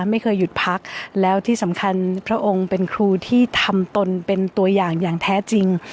ไม่เคยหยุดพักแล้วที่สำคัญพระองค์เป็นครูที่ทำตนเป็นตัวอย่างอย่างแท้จริง